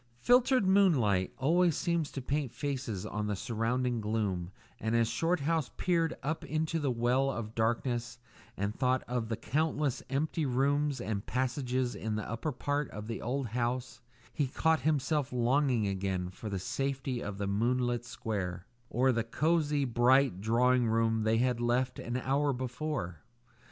Filtered moonlight always seems to paint faces on the surrounding gloom, and as Shorthouse peered up into the well of darkness and thought of the countless empty rooms and passages in the upper part of the old house, he caught himself longing again for the safety of the moonlit square, or the cosy, bright drawing room they had left an hour before.